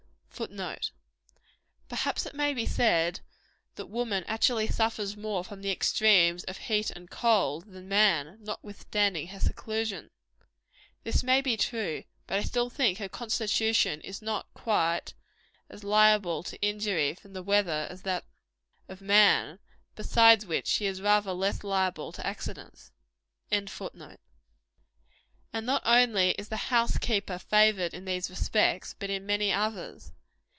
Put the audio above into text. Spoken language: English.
[Footnote: Perhaps it may be said, that woman actually suffers more from the extremes of heat and cold, than man, notwithstanding her seclusion, This may be true; but I still think her constitution is not quite as liable to injury, from the weather, as that of man; besides which, she is rather less liable to accidents.] And not only is the house keeper favored in these respects, but in many others.